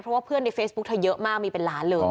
เพราะว่าเพื่อนในเฟซบุ๊กเธอเยอะมากมีเป็นล้านเลย